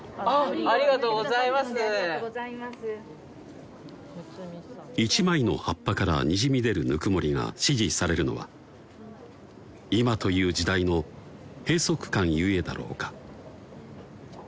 ありがとうございます一枚の葉っぱからにじみ出るぬくもりが支持されるのは今という時代の閉塞感ゆえだろう